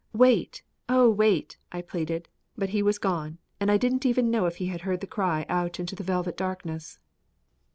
"Wait, Oh wait!" I pleaded, but he was gone and I didn't even know if he heard the cry out into the velvet darkness.